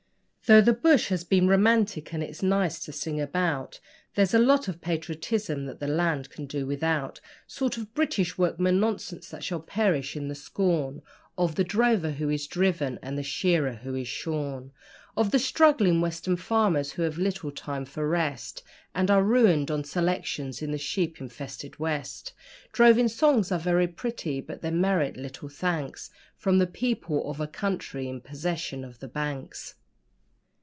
Though the bush has been romantic and it's nice to sing about, There's a lot of patriotism that the land could do without Sort of BRITISH WORKMAN nonsense that shall perish in the scorn Of the drover who is driven and the shearer who is shorn, Of the struggling western farmers who have little time for rest, And are ruined on selections in the sheep infested West; Droving songs are very pretty, but they merit little thanks From the people of a country in possession of the Banks.